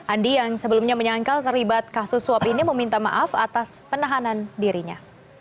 andi yang sebelumnya menyangkal terlibat kasus suap ini meminta maaf atas penahanan dirinya